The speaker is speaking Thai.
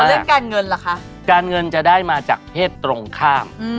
เรื่องการเงินล่ะคะการเงินจะได้มาจากเพศตรงข้าม